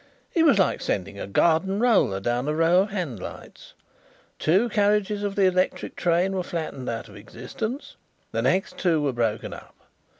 It was like sending a garden roller down a row of handlights. Two carriages of the electric train were flattened out of existence; the next two were broken up.